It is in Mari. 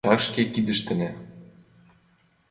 Лачак шке кидыштына.